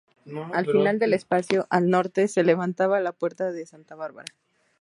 Al final del espacio, al norte, se levantaba la puerta de Santa Bárbara.